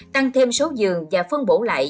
tăng thêm số dường và phân bổ lại